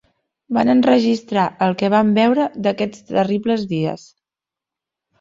Van enregistrar el que van veure d'aquests terribles dies.